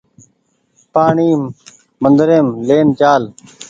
پآڻيٚ مندريم لين چآل